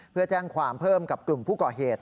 เพื่อแจ้งความเพิ่มกับกลุ่มผู้ก่อเหตุ